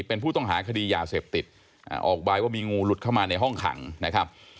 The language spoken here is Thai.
เป็นผู้ต้องหาคดียาเสพติดออกใบว่ามีงูหลุดเข้ามาในห้องขังนะครับ